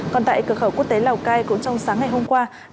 còn tại cửa khẩu quốc tế lào cai cũng trong sáng ngày hôm qua